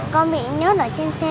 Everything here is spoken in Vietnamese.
con bị nhốt ở trên xe